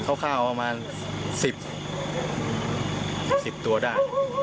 ข้าวประมาณ๑๐ตัวได้